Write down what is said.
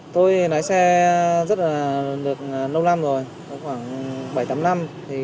tôi lái xe rất là được lâu năm rồi khoảng bảy tám năm